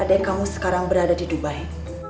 adik kamu sekarang berada di dubai